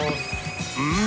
うん？